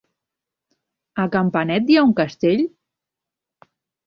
A Campanet hi ha un castell?